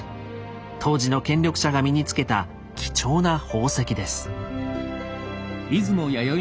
当時の権力者が身に着けた貴重な宝石です。